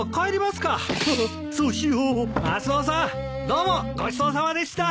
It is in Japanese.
どうもごちそうさまでした。